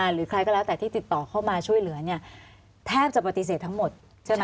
หรือใครก็แล้วแต่ที่ติดต่อเข้ามาช่วยเหลือเนี่ยแทบจะปฏิเสธทั้งหมดใช่ไหม